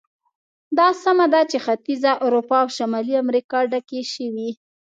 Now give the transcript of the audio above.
دا سمه ده چې ختیځه اروپا او شمالي امریکا ډکې شوې.